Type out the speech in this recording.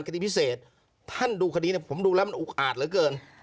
คดีพิเศษท่านดูคดีเนี่ยผมดูแล้วมันอุกอาจเหลือเกิน